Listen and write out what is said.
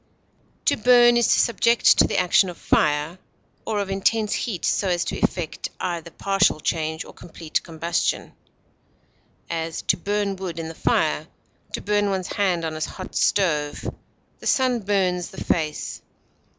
To burn is to subject to the action of fire, or of intense heat so as to effect either partial change or complete combustion; as, to burn wood in the fire; to burn one's hand on a hot stove; the sun burns the face.